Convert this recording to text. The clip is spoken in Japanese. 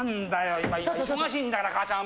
今忙しいんだから母ちゃんは。